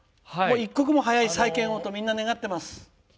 一刻も早い再建をとみんな願っています。